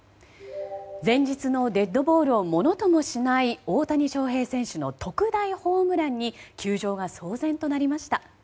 前日のデッドボールをものともしない大谷翔平選手の特大ホームランに球場が騒然となりました。